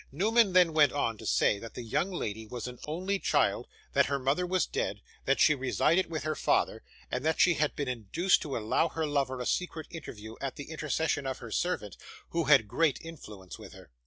Newman then went on to say, that the young lady was an only child, that her mother was dead, that she resided with her father, and that she had been induced to allow her lover a secret interview, at the intercession of her servant, who had great influence with her.